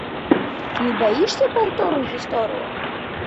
Не баішся паўтору гісторыі?